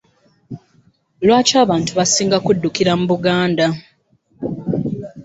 Lwaki abantu basinga kuddukira mu Buganda?